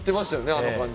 あの感じ。